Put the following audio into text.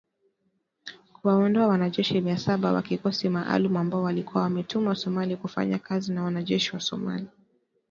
Kuwaondoa wanajeshi mia saba wa kikosi maalum ambao walikuwa wametumwa Somalia kufanya kazi na wanajeshi wa Somalia